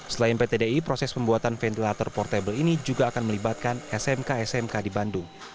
selain pt di proses pembuatan ventilator portable ini juga akan melibatkan smk smk di bandung